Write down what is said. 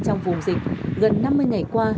trong vùng dịch gần năm mươi ngày qua